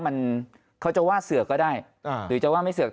มันเขาจะว่าเสือกก็ได้หรือจะว่าไม่เสือก